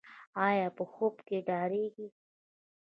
ایا په خوب کې ډاریږي؟